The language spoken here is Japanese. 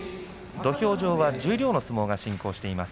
土俵上十両の取組が進行しています。